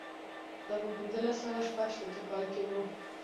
دا په پنځلس سوه شپږ شپېته کال کې و.